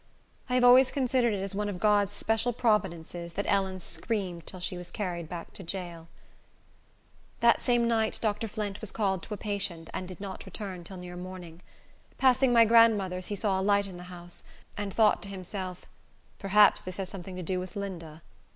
I have always considered it as one of God's special providences that Ellen screamed till she was carried back to jail. That same night Dr. Flint was called to a patient, and did not return till near morning. Passing my grandmother's, he saw a light in the house, and thought to himself, "Perhaps this has something to do with Linda."